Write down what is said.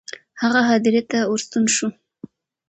هغه هدیرې ته ورستون شو.